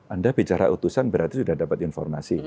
anda bicara utusan berarti sudah dapat informasi